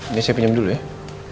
ini saya pinjam dulu ya